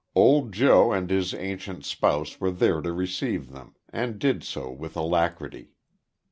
Old Joe and his ancient spouse were there to receive them, and did so with alacrity.